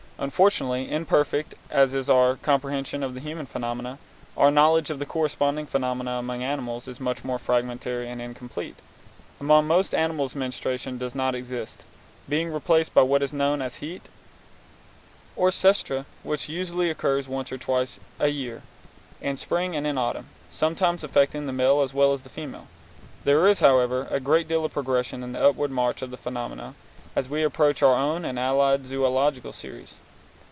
Unfortunately, imperfect as is our comprehension of the human phenomena, our knowledge of the corresponding phenomena among animals is much more fragmentary and incomplete. Among most animals menstruation does not exist, being replaced by what is known as heat, or oestrus, which usually occurs once or twice a year, in spring and in autumn, sometimes affecting the male as well as the female. There is, however, a great deal of progression in the upward march of the phenomena, as we approach our own and allied zoölogical series.